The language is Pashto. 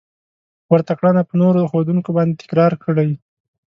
ورته کړنه په نورو ښودونکو باندې تکرار کړئ.